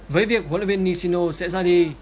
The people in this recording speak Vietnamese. với việc hội luyện viên nishino sẽ ra đi